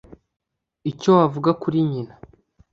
icyo wavuga kuri nyina